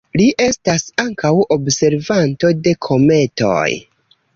Li estas ankaŭ observanto de kometoj.